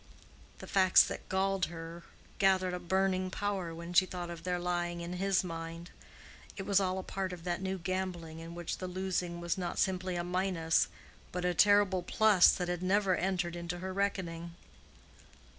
The facts that galled her gathered a burning power when she thought of their lying in his mind. It was all a part of that new gambling, in which the losing was not simply a minus, but a terrible plus that had never entered into her reckoning.